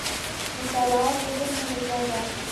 • مطالعه د ذهن غذا ده.